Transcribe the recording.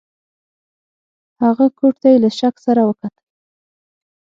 هغه کوټ ته یې له شک سره وکتل.